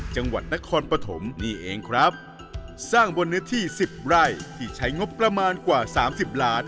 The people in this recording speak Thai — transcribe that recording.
จังหวัดนครปฐมนี่เองครับสร้างบนเนื้อที่สิบไร่ที่ใช้งบประมาณกว่าสามสิบล้าน